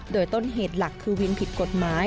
โดยต้นเหตุหลักคือวินผิดกฎหมาย